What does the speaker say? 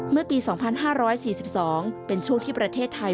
เมื่อปี๒๕๔๒เป็นช่วงที่ประเทศไทย